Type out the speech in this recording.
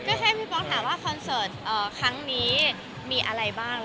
ก็แค่พี่ป๊อกถามว่าคอนเสิร์ตครั้งนี้มีอะไรบ้าง